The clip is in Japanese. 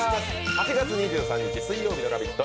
８月２３日水曜日の「ラヴィット！」。